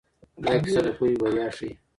دا کیسه د پوهې بریا ښيي.